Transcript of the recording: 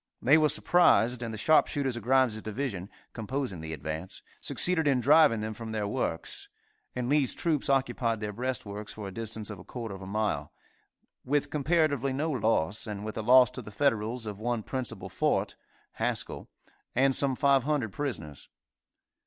They were surprised, and the sharpshooters of Grimes' division, composing the advance, succeeded in driving them from their works, and Lee's troops occupied their breastworks for a distance of a quarter of a mile, with comparatively no loss, and with a loss to the Federals of one principal fort (Haskell) and some 500 prisoners.